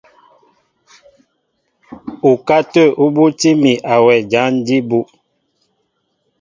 Ukátə̂ ú bútí mi a wɛ jǎn jí bú.